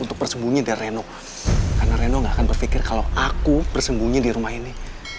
untuk bersembunyi dan reno karena reno gak akan berpikir kalau aku bersembunyi di rumah ini